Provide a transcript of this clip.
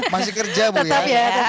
masih kerja bu ya